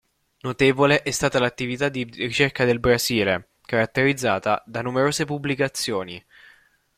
Notevole è stata l'attività di ricerca del Basile, caratterizzata da numerose pubblicazioni.